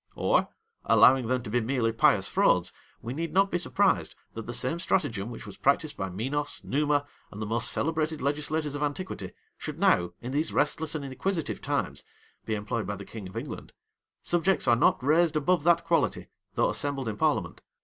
Or, allowing them to be merely pious frauds, we need not be surprised, that the same stratagem which was practised by Minos, Numa, and the most celebrated legislators of antiquity, should now, in these restless and inquisitive times, be employed by the king of England. Subjects are not raised above that quality, though assembled in parliament.